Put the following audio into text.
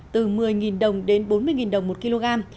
từ một mươi đồng đến bốn mươi đồng một kg